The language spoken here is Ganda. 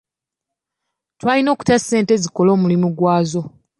Twayina okuta ssente zikole omulimu gwazo.